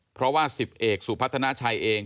เพราะว่า๑๐เอกสุพัฒนาชัยเอง